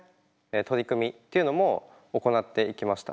取り組みっていうのも行っていきました。